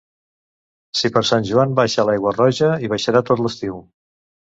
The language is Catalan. Si per Sant Joan baixa l'aigua roja, hi baixarà tot l'estiu.